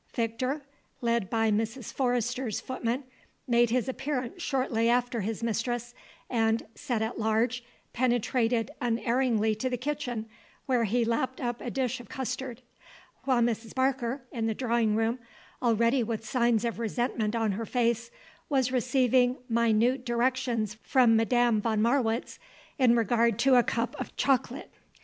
Victor, led by Mrs. Forrester's footman, made his appearance shortly after his mistress, and, set at large, penetrated unerringly to the kitchen where he lapped up a dish of custard; while Mrs. Barker, in the drawing room, already with signs of resentment on her face, was receiving minute directions from Madame von Marwitz in regard to a cup of chocolate.